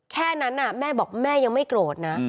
แค่นั้นแม่บอกแม่ยังไม่โกรธนะ